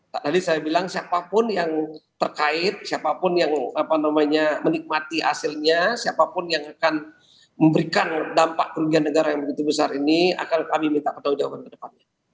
tadi saya bilang siapapun yang terkait siapapun yang menikmati hasilnya siapapun yang akan memberikan dampak kerugian negara yang begitu besar ini akan kami minta pertanggung jawaban ke depannya